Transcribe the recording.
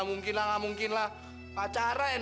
tidak mau mencari